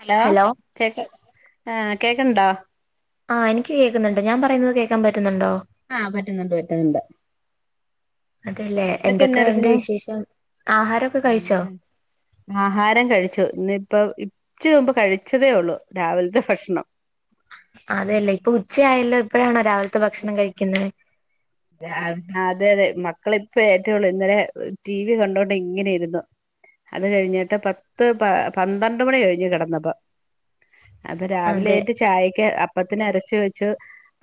Hello കേക്ക് ആഹ് കേക്കൺണ്ടോ ആഹ് എനിക്ക് കേൾക്കുന്നുണ്ട് ഞാൻ പറയുന്നത് കേക്കാൻ പറ്റുന്നുണ്ടോ ആഹ് പറ്റുന്നുണ്ട് പറ്റുന്നുണ്ട് അതെല്ലേ എന്തൊക്കെ ഒണ്ട് വിശേഷം ആഹാരൊക്കെ കഴിച്ചോ പിന്നെ ആഹാരം കഴിച്ചു ഇന്നിപ്പം ഇപ് ഇച്ചിരി മുമ്പ് കഴിച്ചതേ ഒള്ളു രാവിലത്തെ ഭക്ഷ്ണം അതേയല്ലേ ഇപ്പൊ ഉച്ചയായല്ലോ ഇപ്പഴാണോ രാവിലത്തെ ഭക്ഷണം കഴിക്കുന്നേ ആഹ് അതെ അതെ മക്കള്പ്പ ഏറ്റേള്ളു ഇന്നലെ എഹ് ടി വി കണ്ടൊണ്ട്ങ്ങനിരുന്നു അത് കഴിഞ്ഞിട്ട് പത്ത് പ പന്ത്രണ്ട് മണി കഴിഞ്ഞു കെടന്നപ്പോ അപ്പ അതെ രാവിലേറ്റ് ചായക്ക് അപ്പത്തിന് അരച്ചു വെച്ചു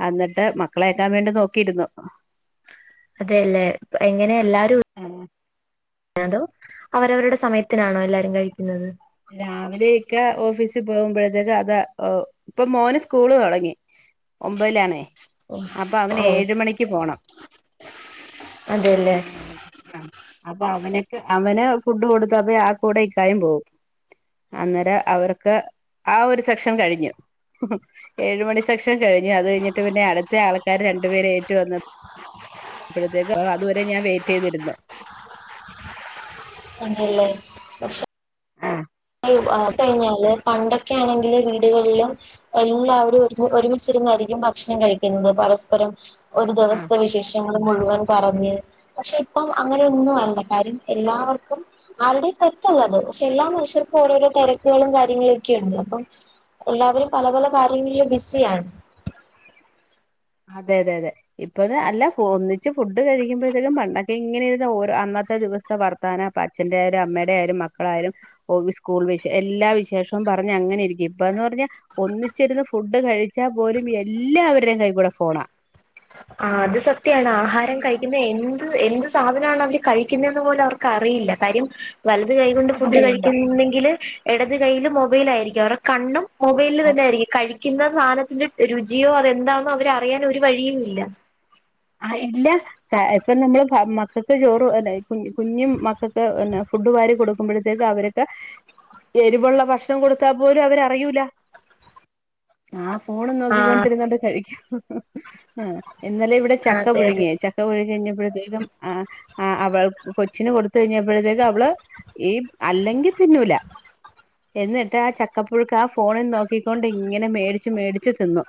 അന്നിട്ട് മക്കളേറ്റാൻ വേണ്ടി നോക്കിയിരുന്നു അതേല്ലേ എങ്ങനെ എല്ലാരും [unintelligible] അതോ അവരവരുടെ സ സമയത്തിനാണോ എല്ലാരും കഴിക്കുന്നത് രാവിലെക്കേ ഓഫീസിൽ പോകുമ്പോഴത്തേക്കതാ ഓഹ് ഇപ്പം മോന് സ്കൂള് തൊടങ്ങി ഒമ്പതിലാണേ ഓ അപ്പം അവന് ഏഴ് മണിക്ക് പോണം അതേല്ലെ അഹ് അപ്പൊ അവന്ക്ക് അവന് ഫുഡ് കൊടുത്തപ്പ ആ കൂടെ ഇക്കായും പോവും അന്നേരം അവർക്കാ ആഹ് ഒരു സെക്ഷൻ കഴിഞ്ഞു ഏഴു മണി സെക്ഷൻ കഴിഞ്ഞു അത് കഴിഞ്ഞിട്ട് പിന്നെ അടുത്ത ആൾക്കാര് രണ്ടു പേരു ഏറ്റു വന്നപ്പോ അപ്പോഴത്തേക്കും ആഹ് അതുവരെ ഞാൻ വെയിറ്റ് ചെയ്തിരുന്നു അതേല്ലേ കൊറച്ച് ആഹ് ആയും ആഹ് കഴിഞ്ഞാല് പണ്ടൊക്കെ ആണെങ്കില് വീടുകളിലും എല്ലാവരും ഒര് ഒരുമിച്ചിരുന്നാരിക്കും ഭക്ഷണം കഴിക്കുന്നത് പരസ്പരം ഒരു ആ ദിവസ്ത്തെ വിശേഷം ങ്ങള് മുഴുവൻ പറഞ്ഞ് പക്ഷെ ഇപ്പം അങ്ങനെയൊന്നും അല്ല കാര്യം എല്ലാവർക്കും ആര്ടേം തെറ്റല്ലത് പക്ഷെ എല്ലാ മനുഷ്യർ ക്കും ഓരോരോ തെരക്കുകളും കാര്യങ്ങളക്കെയൊണ്ട് അപ്പം എല്ലാവരും പല പല കാര്യങ്ങളില് ബിസിയാണ് അതെ അതെ അതെ ഇപ്പത് അല്ല ഒന്നിച്ച് ഫുഡ് കഴിക്കുമ്പോഴങ്കിലും പണ്ടൊക്കെ ഇങ്ങനെയിരുന്ന് ഓരോ അന്നത്തെ ദിവസ സത്തെ വർത്താനപ്പ അഛന്റെയായാലും അമ്മേടെയായാലും മക്കളായാലും ഓവീ സ്കൂൾ വിശ് എല്ലാ വിശേഷവും പറഞ്ഞങ്ങനെ ഇരിക്കും ഇപ്പന്ന് പറഞ്ഞാ ഒന്നിച്ചിരുന്ന് ഫുഡ് കഴിച്ചാ പോലും എല്ലാവരുടേം കൈകൂടെ ഫോണാ ആഹ് അത് സത്യാണ് എങ്ങനെ ആഹാരം ഇരുന്ന് കഴിക്കുന്ന എന്ത് എന്ത്സ് സാധനാണ് അവര് കഴിക്കുന്നേന്ന് പോലും അവർക്കറിയില്ല കാര്യം വലത് കൈകൊണ്ട് ഫുഡ് അറിയില്ല കഴിക്കുന്നെങ്കില് എടത് കൈയ്യില് മൊബൈലാരിക്കും അവര്ടെ കണ്ണും മൊബൈലിൽ ഓ, തന്നെ അയിരിക്കും കഴിക്കുന്ന സാനത്തിന്റെ രുചിയോ അതെന്താണെന്നോ അവര് അറിയാൻ ഒരു വഴിയും ഇല്ല ആഹ് ഇല്ല ആഹ് ഇപ്പം നമ്മള് പാ മക്കക്ക് ചോറ്ന്നെ കുഞ്ഞ് കുഞ്ഞും മക്കക്ക് എന്നാ ഫുഡ് വാരി കൊടുക്കുമ്പോഴത്തേക്ക് അവര് എരിവൊള്ള ഭക്ഷണം കൊടുത്താ പോലും അവരറിയൂല ആ ഫോണും ആഹ് നോക്കിക്കൊണ്ടിരുന്നിട്ട് കഴിക്കും ആ ഇന്നലെ ഇവിടെ ചക്ക അതെ അതെ പുഴുങ്ങിയെ ച ചക്ക പുഴുങ്ങി കഴിഞ്ഞപ്പഴ്ത്തേക്കും ആ അവൾ കൊച്ചിന് കൊടുത് കഴിഞ്ഞപ്പഴ്ത്തേക്കും അവള് ഈ അല്ലെങ്കിൽ തിന്നൂല എന്നിട്ട് ആ ചക്കപ്പുഴുക്കാ ഫോണിൽ നോക്കിക്കൊണ്ട് ഇങ്ങനെ മേടിച്ച് മേടിച്ച് തിന്നും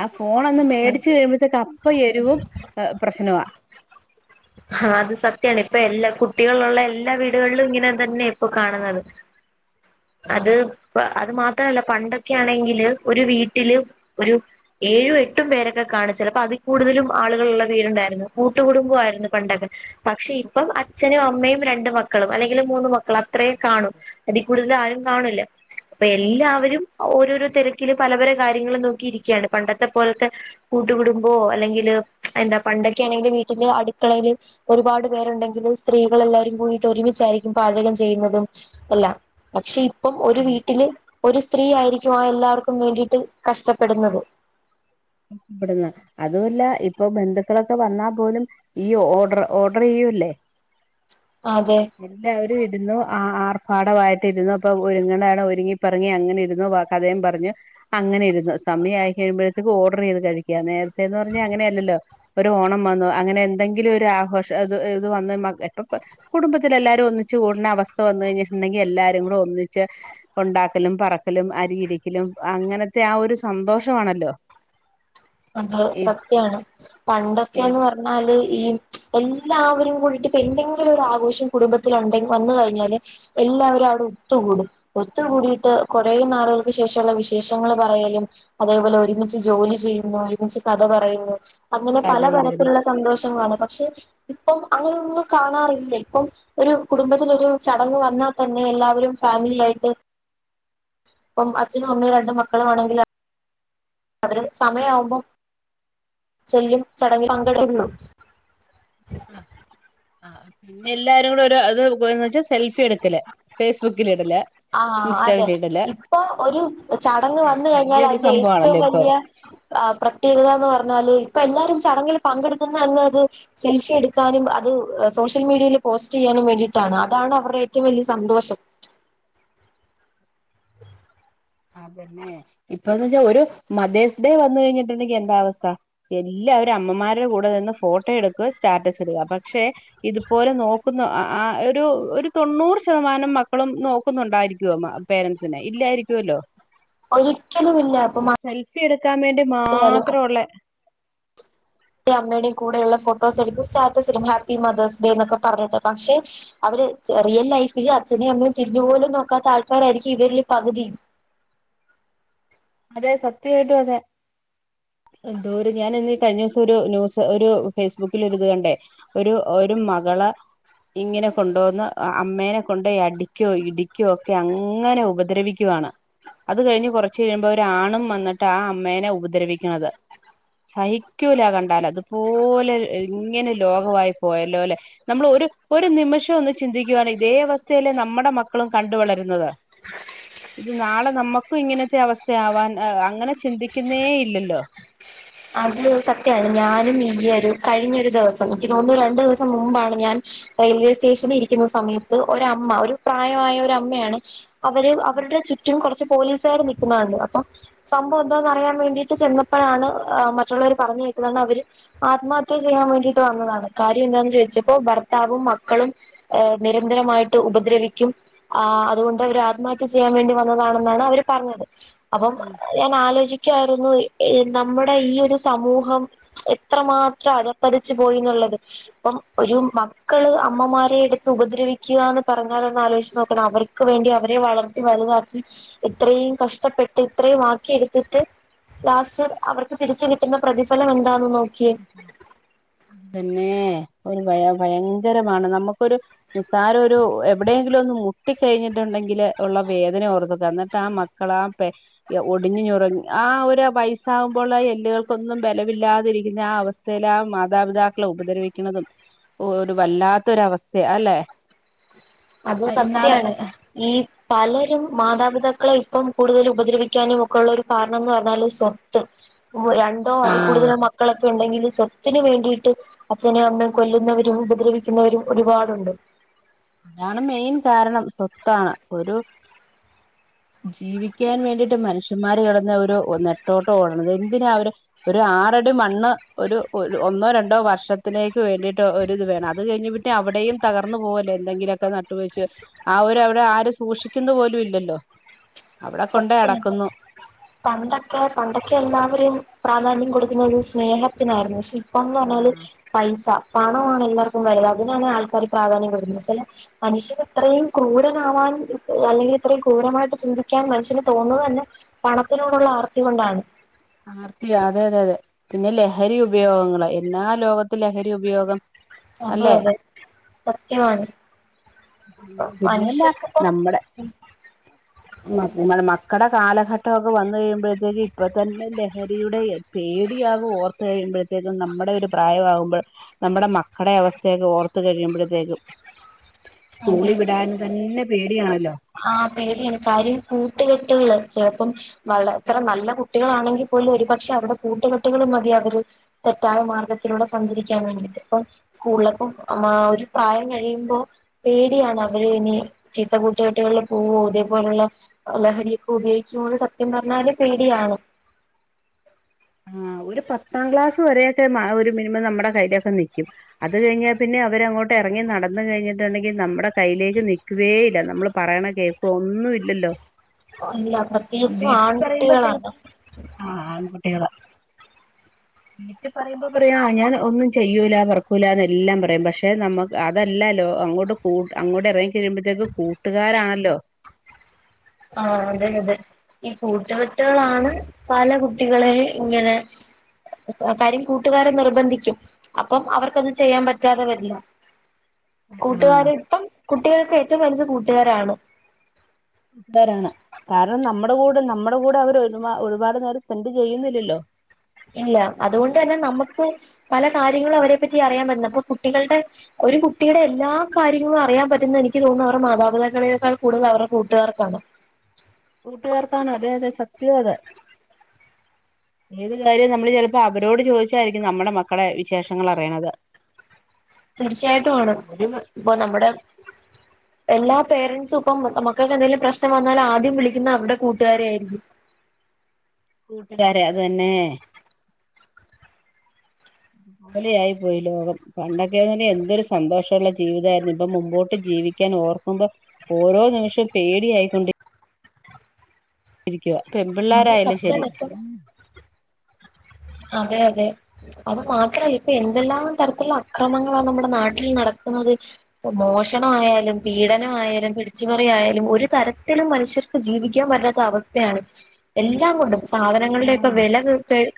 ആ ഫോൺ ഒന്ന് മേടിച്ച് അതെ. കഴിയുംമ്പഴ്ത്തേക്ക് അപ്പം എരിവും പ്രശ്നവാ ആ അത് സത്യാണ് ഇപ്പെല്ലാ കുട്ടികളുള്ള എല്ലാ വീടുകളിലും ഇങ്ങനെ തന്നെ ഇപ്പോ കാണുന്നത് അത് അത് മാത്രല്ല പണ്ട് ക്കാണെങ്കില് ഒരു വീട്ടില് ഒരു ഏഴും എട്ടും പേരൊക്കെ കാണും ചെലപ്പൊ അതിൽ കൂടുതലും ആളുകളുള്ള വീടുണ്ടായിരുന്നു കൂട്ടുകടുംബമായിരുന്നു. പണ്ടൊക്കെ പക്ഷെ ഇപ്പം അച്ഛനും അമ്മയും രണ്ട് മക്കളും അല്ലെങ്കിൽ മൂന്ന് മക്കളും അത്രേ കാണൂ അതി കൂടുതൽ ആരും കാണൂല്ല ഇപ്പെല്ലാവരും ഓരോരോ തെരക്കില് പല പല കാര്യങ്ങളും നോക്കിയിരിക്കാണ് പണ്ടത്തെ പോൽത്തെ കൂട്ടു കുടുംബോ അല്ലെങ്കില് എന്താ പണ്ടൊക്കൊണെങ്കിൽ വീട്ടല് അടു ക്കളയില് ഒരുപാട് പേരുണ്ടെങ്കിലും സ്ത്രീകൾ എല്ലാരും കൂടീട്ട് ഒരുമിച്ചായിരിക്കും പാചകം ചെയ്യുന്നതും അല്ല പക്ഷെ ഇപ്പം ഒരു ഉം വീട്ടില് ഒരു സ്ത്രീ ആയിരിക്കും ആ എല്ലാർക്കും വേണ്ടിട്ട് കഷ്ടപ്പെടുന്നത് ഇവ്ടുന്ന് അതുവല്ല ഇപ്പൊ ബന്ധുക്കളൊക്കെ വന്നാ പോലും ഈ ഓഡ്ര് ഓഡ്ര് ചെയ്യല്ലേ അതെ എല്ലാവരും ഇരുന്നു ആ ആർഭാടമായിട്ട് ഇരുന്നു അപ്പൊ ഒരുങ്ങണാ ഒരുങ്ങിപ്പറങ്ങി അങ്ങനെ ഇരുന്നു വ കഥയും പറഞ്ഞ് അങ്ങനെ ഇരുന്നു സമയായി കഴുമ്പഴ്ത്തേക്ക് ഓ ഓഡ്രെയ്ത് കഴിക്കാ നേര്ത്തേന്ന് പറഞ്ഞ അങ്ങനെയല്ലല്ലോ ഒരു ഓണം വന്നു അങ്ങനെ എന്തെങ്കിലൊരാഘോഷം അത് ഇത് വന്ന് മക്കറ്റോ എപ്പ കുടുംബത്തിലെല്ലാരും ഒന്നിച്ച് കൂടുന്ന അവസ്ഥ വന്നു കഴിഞ്ഞിട്ടുണ്ടെങ്കി എല്ലാരും കൂടെ ഒന്നിച്ച് ഒണ്ടാക്കലും പറക്കലും അരിയിരിക്കലും അങ്ങനത്തെ ആ ഒരു സന്തോഷമാണല്ലോ അത് ഈ സത്യാണ് ഈ പണ്ടൊക്കേന്ന് പറഞ്ഞാല് ഈ എല്ലാവരും കൂടിട്ട് ഇപ്പെന്തെങ്കിലും ഒരാഘോഷം കുടുംബത്തിലൊണ്ടെങ്കി വന്നു കഴിഞ്ഞാല് എല്ലാവരും അവിടെ ഒത്തുകൂടും ഒത്തുകൂടിയിട്ട് കുറെ നാളുകൾക്ക് ശേഷമൊള്ള വിശേഷങ്ങൾ പറയലും അതേപോലെ ഒരുമിച്ച് ജോലി ചെയ്യുന്നു ഒരുമിച്ച് കഥ പറയുന്നു അങ്ങനെ കഥ പറയുന്നത് പലതരത്തിലൊള്ള സന്തോഷങ്ങളാണ് പക്ഷെ ഇപ്പം അങ്ങനൊന്നും കാണാറില്ല ഇപ്പം ഒരു കുടുംബത്തിലൊരു ചടങ്ങ് വന്നാ തന്നെ എല്ലാവരും ഫാമിലിയായിട്ട് ഇപ്പം അച്ഛനും അമ്മയും രണ്ട് മക്കളും വേണെങ്കിൽ അവരും സമയം ആവുംമ്പൊ ചെല്ലും ചടങ്ങിൽ പങ്കെടുക്കുള്ളു ആ പിന്നെ എല്ലാരും കൂടെ ഒരു അത് ന്ന് വെച്ചാ സെൽഫി എടുക്കല് ഫേസ്ബുക്കിലിടല് ആഹ് അതെ ഇപ്പൊ ഒരു ചടങ്ങ് വന്ന് വലിയൊരു കഴിഞ്ഞാലതിന്റെ ഏറ്റവും സംഭവമാണല്ലോ ഇപ്പൊ വലിയ ആ പ്രത്യേകതാന്ന് പറഞ്ഞാല് ഇപ്പൊ എല്ലാരും ചടങ്ങിൽ പങ്കെടുക്കുന്നനൊരു സെൽഫി എടുക്കാനും അത് സോഷ്യൽ മീഡിയയിൽ പോസ്റ്റ് ചെയ്യാനും വേണ്ടീട്ടാണ് അതാണ് അവർടെ ഏറ്റവും വലൃ സന്തോഷം അതന്നെ ഇപ്പന്ന് വെച്ചാ ഒരു മതേഴ്സ് ഡേ വന്ന് കഴിഞ്ഞിട്ടുണ്ടെങ്കി എന്താ അവസ്ഥ എല്ലവരും അമ്മമാരുടെ കൂടെ നിന്ന് ഫോട്ടോ എടുക്കുക സ്റ്റാറ്റസ് ഇടുക പക്ഷെ ഇതുപോലെ നോക്കുന്ന ആഹ് ഒരു ഒരു തൊണ്ണൂറ് ശതമാനം മക്കളും നോക്കുന്നുണ്ടായിരിക്കോ മ പാരന്റ്സിനെ ഇല്ലായിരിക്കുവല്ലോ ഒരിക്കലുമില്ല ഇപ്പൊ ആഹ് സെൽഫി എടുക്കാൻ വേണ്ടി മഴയായാലും മാത്ര ഉള്ളെ എ അമ്മയുടെയും കൂടെയുള്ള ഫോട്ടോസ് എടുക്കും സ്റ്റാറ്റസും ഹാപ്പി മതേഴ്സ് ഡേ എന്നൊക്കെ പറഞ്ഞിട്ട് പക്ഷെ അവര് റിയൽ ലൈഫില് അച്ഛനേും അമ്മയും തിരിഞ്ഞു പോലും നോക്കാത്ത ആൾക്കാരായിരിക്കും ഇവരില് പകുതി അതെ സത്യ ആയിട്ടും അതെ എന്തൂര് ഞാൻ ഇന്ന് കഴിഞ്ഞ ദിവസം ഒരു ന്യൂസ് ഒരു ഫേസ്ബുക്കിൽ ഒരു ഇത് കണ്ടേ ഒരു ഒരു മകളെ ഇങ്ങനെ കൊണ്ടോന്ന്അമ്മേനെ കൊണ്ടോയി അടിക്കോ ഇടിക്കോ ഒക്കെ അങ്ങനെ ഉപദ്രവിക് ക്കുവാണ് അത് കഴിഞ്ഞ് കുറച് കഴിഞ്ഞ് ഒരാണും വന്നിട്ട് ആഹ് അമ്മേനെ ഉപദ്രവിക്കുന്നത് സഹിക്കൂല കണ്ടാല് അതുപോലെ ഇങ്ങനെ ലോകവായി പോയല്ലോ ല്ലെ നമ്മൾ ഒരു ഒരു നിമിഷം ഒന്ന് ചിന്തിക്കുവാണ് ഇതേ അവസ്ഥയിലെ നമ്മുടെ മക്കളും കണ്ട വളരുന്നത് [unintelligible] ഇത് നാളെ നമ്മുക്കും ഇങ്ങനത്തെ അവസ്ഥയാവാൻ അങ്ങനെ ചിന്തിക്ക്ന്നേ ഇല്ലല്ലോ അത് സത്യമാണ് ഞാനും ഈയ ഒരു കഴിഞ്ഞൊ ഒരു ദിവസം എനിക്ക് തോന്നുന്നു രണ്ടു ദിവസം മുമ്പാണ് ഞാൻ റെയിൽവേ സ്റ്റേഷനി ഇരിക്കുന്ന സമയത്ത് ഒരമ്മ ഒരു പ്രായമായ ഒ അമ്മയാണ് അവര് അവരുടെ ചുറ്റും കുറച്ച് പോലീസുകാർ നിൽക്കുന്നത് കണ്ട് അപ്പൊ സംഭവം എന്താന്ന് അറിയാൻ വേണ്ടിട്ട് ചെന്നപ്പഴാണ് ആഹ് മറ്റുള്ളവര് പറഞ്ഞ് കേക്കുന്നാണ്ട് അവര് ആത്മഹത്യ ചെയ്യാൻ വേണ്ടിട്ട് വന്നതാണ് കാര്യം എന്താ ചോദിച്ചപ്പോ ഭർത്താവും മക്കളും ങ് നിരന്തരമായിട്ട് ഉപദ്രവിക്കും ആഹ് അതുകൊണ്ട് അവര് ആത്മഹത്യ ചെയ്യാൻ വേണ്ടി വന്നതാണെന്നാണ് അവര് പറഞ്ഞത് അപ്പം ആ ഞാൻ ആലോചിക്കായിരുന്നു ങ് ന്ന നമ്മുടെ ഈ ഒരു സമൂഹം എത്രമാത്രം അതർപ്പതിച്ചു പോയിന്നുള്ളത് പ്പം ഒരു മക്കള് അമ്മമാരെ എടുത്ത് ഉപദ്രവിക്കുകന്ന് പറഞ്ഞാലന്ന് ആലോചിച്ച് നോക്കണ അവർ വേണ്ടി അവരെ വളർത്തി വലുതാക്കി ഇത്രയും കഷ്ടപ്പെട്ട് ഇത്രയും ആക്കിയെടുത്തിട്ട് ലാസ്റ്റ് അവർക്ക് തിരിച്ചു കിട്ടുന്ന പ്രതിഫലം എന്താന്ന് നോക് അതന്നെ ഒരു ഭയ ഭയങ്കരമാണ് നമുക്കൊരു നിസ്സാരം ഒരു എവിടെയെങ്കിലും ഒന്ന് മുട്ടി കഴിഞ്ഞിട്ടുണ്ടെങ്കില് ഉള്ള വേദന ഓർത്തക്കാം എന്നിട്ട് ആഹ് മ കളാ പേ ഒടിഞ്ഞഞ്റങ്ങി ആഹ് ഒരു വയസ്സാകുമ്പോൾ ആ എല്ലുകൾക്കൊന്നും ബലമില്ലാതിരി പിന്നെ ആഹ് അവസ്ഥയില് ആഹ് മാതാപിതാക്കളെ ഉപദ്രവിക്ക്ണതും ഓ ഒരു വല്ലാത്തൊരവസ്ഥ അല്ലെ അത് ഇന്നാള് സത്യാണ് ഈ പലരും മാതാപിതാക്കളെ ഇപ്പം കൂടുതൽ ഉപദ്രവിക്കാനും ഒക്കെ ഉള്ളരു കാരണം എന്ന് പറഞ്ഞാല് സ്വത്ത് [unintelligible] രണ്ടോ ആ അതി കൂടുതലും മക്കളൊ ക്കെണ്ടെങ്കില് സ്വത്തിന് വേണ്ടിയിട്ട് അച്ഛനെ അമ്മും കൊല്ലുന്നവരും ഉപദ്രവിക്കുന്നവരും ഒരുപാടുണ്ട് അതാണ് മെയിൻ കാരണം സ്വത്താണ് ഒരു ജീവിക്കാൻ വേണ്ടിയിട്ട് മനുഷ്യന്മാര് കിടന്ന ഒരു നെട്ടോട്ടം ഓടത് എന്തിനാ അവര് ഒരു ആറടി മണ്ണ് ഒരു ഒന്നോ രണ്ടോ വർഷത്തിലേക്ക് വേണ്ടിട്ട് ഒരിത് വേണം അത് കഴിഞ്ഞി അവിടെയും തകർന്നു പോല്ലേ എന്തെങ്കിലുമൊക്കെ നട്ട് വച്ച് ആര്വിടെ ആര് സൂക്ഷിക്കുന്ന പോലും ഇല്ലല്ലോ അവിടെ കൊണ്ടോയി സത്യാണ് അടക്കുന്നു പണ്ടൊക്കെ പണ്ടൊക്കെ എല്ലാവരും പ്രാധാന്യം കൊടുക്കുന്നത് സ്നേഹത്തിനായിരുന്നു ക്ഷേ ഇ ഇപ്പന്ന് ആ പറഞ്ഞാല് പൈസ പണമാണ് എല്ലാവർക്കും വലുത് അതിനാണ് ആൾക്കാർ പ്രാധാന്യംപ്പെടുന്നത് ചില- മനുഷ്യർ ഇത്രയും ക്രൂരമാവാൻ അല്ലെങ്കിൽ ഇത്രയും ക്രൂരമായിട്ട് ചിന്തി- കാൻ മനുഷ്യന് തോന്നുന്നത് തന്നെ പണത്തിനോടുള്ള ആർത്തി കൊണ്ടാണ് ആർത്തി അതെ അതെതെ പിന്നെ ലഹരി ഉപയോഗങ്ങളെ എല്ലാ ലോകത്ത് ലഹരി ഉപയോഗം അതെ അല്ലെ അതെ സത്യമാണ് പി പിന്നെയല്ല മനുഷ്യർക്കിപ്പം നമ്മുടെ മക്കുടെ കാലഘട്ടമൊക്കെ വന്നു കഴിയുമ്പോഴത്തേക്ക് ഇപ്പ- തന്നെ ലഹരിയുടെ പേടിയാവ് ഓർത്ത് കഴിയുമ്പോഴത്തേക്കും നമ്മുടെ ഒരു പ്രായമാകുമ്പോൾ നമ്മുടെ മക്കുടെ അവസ്ഥയൊക്ക ഓർത്തു കഴിയുമ്പോഴത്തേക്കും [inaudible] സ്കൂളിൽ വിടാൻ സത്യം തന്നെ പേടിയാണ് ആഹ് പേടിയാണ് കാര്യം കൂട്ടുകെട്ടുകൾ ചെലപ്പം അതെത്ര നല്ല കുട്ടികളാണെങ്കിൽ പോലും ഒരുപക്ഷെ അവരുടെ കൂട്ടുകെട്ടുകളും മതി അവര്- തെറ്റായ മാർഗ്ഗത്തിലൂടെ സഞ്ചരിക്കാൻ വേണ്ടിയിട്ട് ഇപ്പം സ്കൂളിലൊപ്പം ആഹ് ഒരു പ്രായം കഴിയുമ്പൊ പേടിയാണ് അവര് ഇനി ചീത്ത കൂ കുട്ടികുള്ള പോവോ [unintelligible] ഇതേപോലുള്ള ലഹരിയൊക്ക ഉപയോഗിക്കുന്ന സത്യം പറഞ്ഞാല് പേടിയാണ് ആ ഒരു പത്താം ക്ലാസ് വരെ ഒക്കെ മ ഒരു മിനിമം നമ്മടെ കയ്യിലൊക്കെ നിക്കും അത് കഴിഞ്ഞാ പിന്നെ അവര് അങ്ങോട്ട് എറങ്ങി നടന്ന് കഴിഞ്ഞിട്ടുണ്ടെങ്കി നമ്മെടെ കയ്യിലേക്ക് നി കേക്ക് വേ ഇല്ല നമ്മള് പറീണ കേക്കൊ ഒന്നും ഇല്ലല്ലൊ ഓല്ല പ്രത്യേകിച്ചും ആൺകുട്ടികളാണ് ആഹ് ആൺകുട്ടികള് വീട്ടി പറയുമ്പ പറയാ ഞാൻ ഒന്നും ചെയ്യൂല പറക്കൂലാന്നെല്ലം പറയും പക്ഷെ നമ്മക്ക് അതെല്ല ലോ അങ്ങോട്ട് കൂ അങ്ങോട്ട് എറങ്ങി കയ്യുമ്പത്തേക്ക് കൂട്ടുകാരണല്ലൊ ആഹ് അതെ അതെ ഈ കൂട്ടുകെട്ടുകളാണ് പല കുട്ടികളേ ഇങ്ങനെ കാര്യം കൂട്ടുകാരെ നിർബന്ധിക്കും അപ്പം അവർക്കത് ചെയ്യാൻ പറ്റാതെ വരില്ലെ കൂട്ടുകാരി ഇപ്പം കുട്ടികൾക്ക് ഏറ്റവും വലുതെ കൂട്ടുകാരാണ് രാണ് കാരണം നമ്മുടെ കൂടെ നമ്മുടെ കൂടെ അവരെ ഒരു ഒരുപാട് നേരം സ്പെൻന്റ് ചെയ്യുന്നില്ലല്ലോ. ഇല്ല അത്കൊണ്ട് തന്നെ നമുക്ക് പല കാര്യങ്ങളും അവരെ പറ്റി അറിയാൻ പറ്റുന്ന ഇപ്പൊ കുട്ടികളുടെ ഒരു കുട്ടിയുടെ എല്ലാ കാര്യങ്ങളും അറിയാൻ പറ്റുന്ന എനിക്ക് തോന്നുന്ന അവരുടെ മാതാപിതാക്കളെക്കാൾ കൂടുതൽ അവരുടെ കൂട്ടുകാർക്കാന്ന കൂട്ടുകാർക്കാണൊ അതെ അതെ സത്യാത് ഏത് കാര്യം നമ്മള് ചെല്പ്പൊ അവരോട് ചോദിച്ചായിരിക്കും നമ്മടെ മക്കളെ വിശേഷങ്ങളെ അറിയണത് തീർച്ചയായിട്ടും ആണ് അവര് ഇപ്പൊ നമ്മടെ എല്ലാ പേരൻസും ഇപ്പം നമുക്കക്കെന്തേലും പ്രശ്നം വന്നാല് ആദ്യം വിളിക്കുന്ന അവരുടെ കൂട്ടുകാരെ ആയിരിക്കും കൂട്ടുകാരെ അത് തന്നെ പോലെ ആയി പോയി ലോകം. പണ്ടൊക്കെ എന്തൊരു സന്തോഷള്ള ജീവിതായിരുന്നു ഇപ്പൊ മുമ്പോട്ട് ജീവി ക്കേന് ഓർക്കുമ്പൊ ഓരോ നിമിഷം പേടിയായിക്കൊണ്ടി രിക്ക്യവ പെൺ അത് പിള്ളാരായാലും ശരി സത്യാണ് ഇപ്പം അതെ അതെ അത് മാത്രല്ല ഇപ്പൊ എന്തെല്ലാം തരത്തിലുള്ള അക്രമങ്ങളാണ് നമ്മുടെ നാട്ടിൽ നടക്കുന്നത് ഇപ്പൊ മോഷണമായാലും പീഡനമായാലും പിടിച്ച്പറി ആയാലും ഒരോ തരത്തിലും മനുഷ്യർ ജീവിക്കാൻ പറ്റാത്ത അവസ്ഥയാണ് എല്ലാം കൊണ്ടും സാധനങ്ങളുടെ ഒക്കെ ആഹ് വെല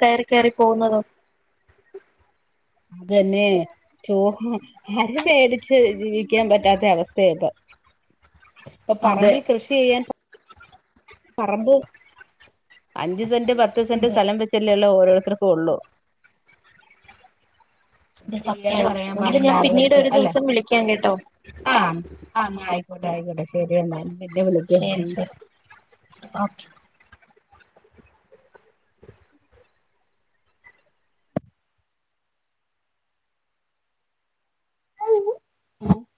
കയറി കയറി പോവുന്നതൊ അതെന്നേ ചോ അരി മേടിച്ച് ജീവിക്കാൻ പറ്റാത്ത അവസ്ഥയ ഇപ്പൊ ഇപ്പ അതെ പറമ്പിൽ കൃഷി ചെയ്യാൻ പറമ്പ് അഞ്ച് സെന്റ് പത്ത് സെന്റ് അതെ സ്ഥലം വെച്ചല്ലേ ഓരോര്ത്തർക്കുള്ളു അത് ചെയ്യാന് സത്യാണ്. പറയാൻ എങ്കില് പാടില്ല ഞാൻ പിന്നീട് ആളുകൾക്ക് ഒര് അല്ലെ ദിവസം വിളിക്കാം കെട്ടൊ ആഹ് ആഹ് ആയിക്കോട്ടെ ആയിക്കോട്ടെ ശരി എന്ന എന്നെ വിളിക്ക് ശരി ശരി ഓക്കെ